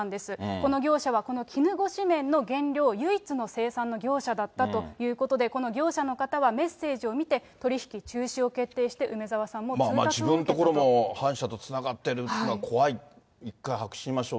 この業者はこの絹ごし麺の原料唯一の生産の業者だったということで、この業者の方はメッセージを見て、取り引き中止を決定して、自分のところも反社とつながってるっていうのは怖い、１回廃止にしましょう。